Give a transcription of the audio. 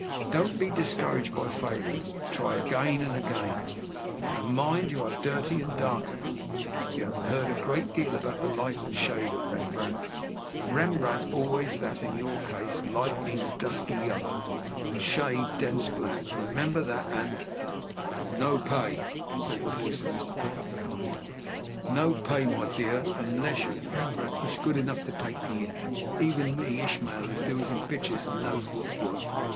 Don't be discouraged by failures, but try again and again; and mind you are dirty and dark enough. You have heard a great deal about the light and shade of Rembrandt Remember always that, in your case, light means dusky yellow, and shade dense black; remember that, and " "No pay," said the voice of Mr. Pickup behind me; "no pay, my dear, unlesh your Rembrandt ish good enough to take me in even me, Ishmael, who dealsh in pictersh and knowsh what'sh what."